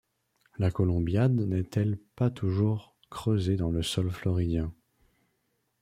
La Columbiad n’est-elle pas toujours creusée dans le sol floridien !